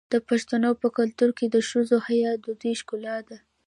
د پښتنو په کلتور کې د ښځو حیا د دوی ښکلا ده.